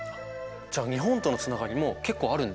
じゃあ日本とのつながりも結構あるんだ。